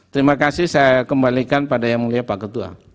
terima kasih saya kembalikan pada yang mulia pak ketua